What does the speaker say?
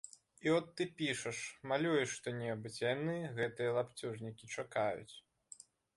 І от ты пішаш, малюеш што-небудзь, а яны, гэтыя лапцюжнікі, чакаюць.